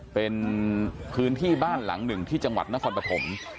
เป็นพื้นที่บ้านหลังหนึ่งที่จังหวัดนครปฐม